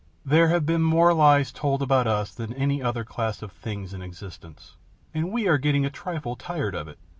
There have been more lies told about us than about any other class of things in existence, and we are getting a trifle tired of it.